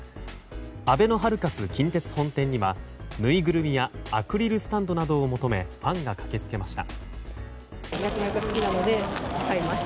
あべのハルカス近鉄本店にはぬいぐるみやアクリルスタンドなどを求めファンが駆け付けました。